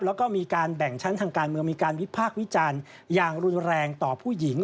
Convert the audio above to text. แล้วก็มีการแบ่งชั้นทางการเมืองมีการวิพากษ์วิจารณ์อย่างรุนแรงต่อผู้หญิง